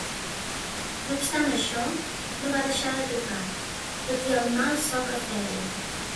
No obstant això, no va deixar de tocar, tot i el mal so que feia.